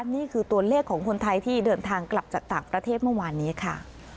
นี่คือตัวเลขของคนไทยที่เดินทางกลับจากต่างประเทศเมื่อวานนี้ค่ะ